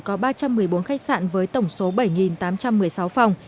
có ba trăm một mươi bốn khách sạn với tổng số bảy tám trăm một mươi sáu phòng